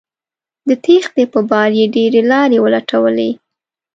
د تېښتې په پار یې ډیرې لارې ولټولې